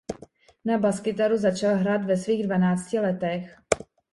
Na baskytaru začal hrát ve svých dvanácti letech.